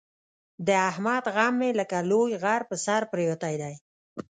د احمد غم مې لکه لوی غر په سر پرېوتی دی.